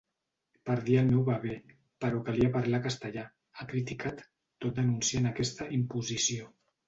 “Perdia el meu bebè, però calia parlar castellà”, ha criticat, tot denunciant aquesta “imposició”.